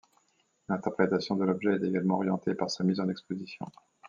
L’interprétation de l’objet est également orientée par sa mise en exposition.